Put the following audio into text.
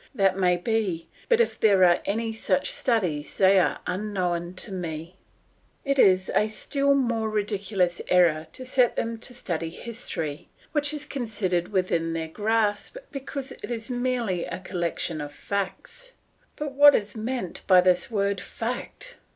That may be; but if there are any such studies, they are unknown to me. It is a still more ridiculous error to set them to study history, which is considered within their grasp because it is merely a collection of facts. But what is meant by this word "fact"?